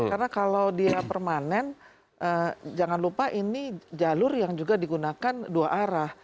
karena kalau dia permanen jangan lupa ini jalur yang juga digunakan dua arah